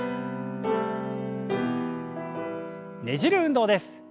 ねじる運動です。